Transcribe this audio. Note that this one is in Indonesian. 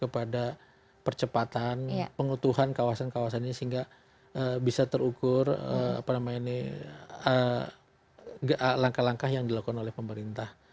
kepada percepatan pengutuhan kawasan kawasan ini sehingga bisa terukur langkah langkah yang dilakukan oleh pemerintah